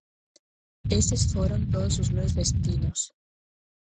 Eses foron todos os meus destinos.